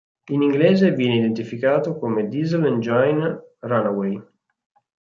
In inglese viene identificato come "Diesel engine runaway".